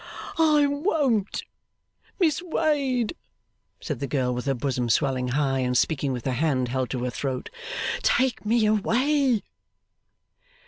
'I won't! Miss Wade,' said the girl, with her bosom swelling high, and speaking with her hand held to her throat, 'take me away!